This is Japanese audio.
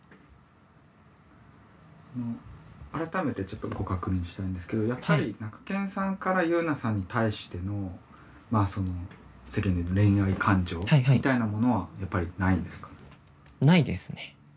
改めてちょっと確認したいんですけどやっぱりなかけんさんから佑奈さんに対しての世間で言うと恋愛感情みたいなものはやっぱりないんですか？